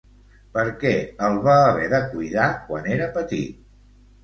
Per què el va haver de cuidar quan era petit?